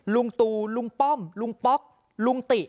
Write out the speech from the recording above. ลุงตูลุงป้อมลุงป๊อกลุงติ